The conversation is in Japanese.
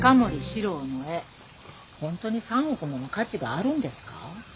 本当に３億もの価値があるんですか？